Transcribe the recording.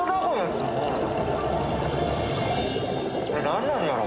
何なんやろ。